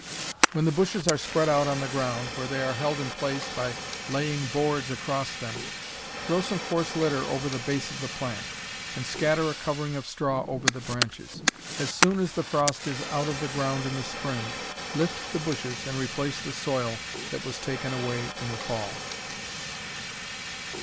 When the bushes are spread out on the ground, where they are held in place by laying boards across them, throw some coarse litter over the base of the plant, and scatter a covering of straw over the branches. As soon as the frost is out of the ground in the spring, lift the bushes and replace the soil that was taken away in the fall.